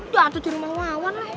dato di rumah wawan rai